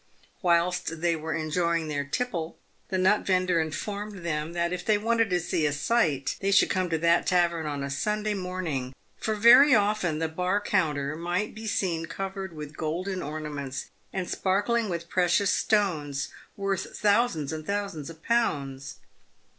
Whilst they were enjoying their tipple, the nut vendor informed them that if they wanted to see a sight they should come to that tavern on a Sunday morning, for very often the bar counter might be seen covered with golden ornaments, and sparkling with precious stones worth thousands and thousands of pounds.